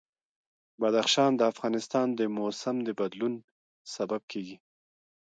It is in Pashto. بدخشان د افغانستان د موسم د بدلون سبب کېږي.